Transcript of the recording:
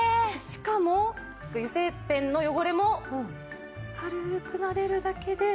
しかも油性ペンの汚れも軽くなでるだけで。